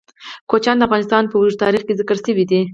کوچیان د افغانستان په اوږده تاریخ کې ذکر شوی دی.